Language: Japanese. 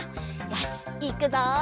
よしいくぞ！